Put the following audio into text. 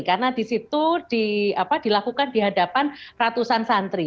karena di situ dilakukan di hadapan ratusan santri